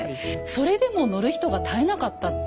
それでも乗る人が絶えなかった。